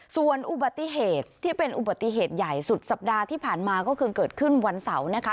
ส่วนอุบัติเหตุที่เป็นอุบัติเหตุใหญ่สุดสัปดาห์ที่ผ่านมาก็คือเกิดขึ้นวันเสาร์นะคะ